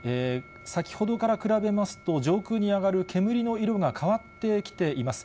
先ほどから比べますと、上空に上がる煙の色が変わってきています。